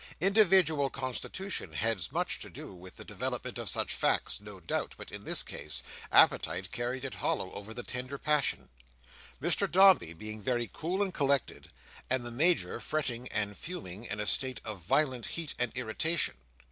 Individual constitution has much to do with the development of such facts, no doubt; but in this case, appetite carried it hollow over the tender passion; Mr Dombey being very cool and collected, and the Major fretting and fuming in a state of violent heat and irritation.